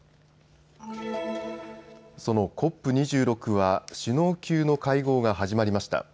そのＣＯＰ２６は首脳級の会合が始まりました。